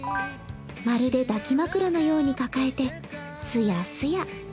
まるで抱き枕のように抱えて、すやすや。